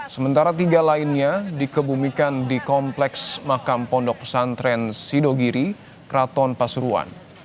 sementara tiga lainnya dikebumikan di kompleks makam pondok pesantren sidogiri kraton pasuruan